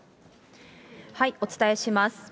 お伝えします。